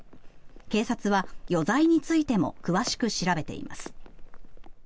警察は余罪についても詳しく調べています。